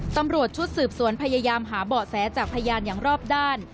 ตำรวจชุดสืบสวนพยายามหาเบาะแสจากพยานอย่างรอบด้าน